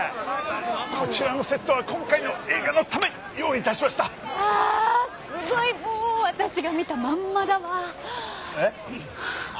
こちらのセットは今回の映画のために用意いたしましたあすごいもう私が見たまんまだわえ？